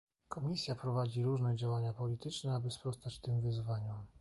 Komisja prowadzi różne działania polityczne, aby sprostać tym wyzwaniom